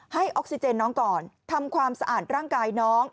ออกซิเจนน้องก่อนทำความสะอาดร่างกายน้อง